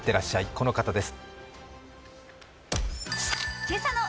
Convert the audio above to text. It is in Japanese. この方です。